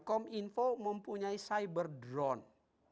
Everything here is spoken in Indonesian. kominfo mempunyai cyber drone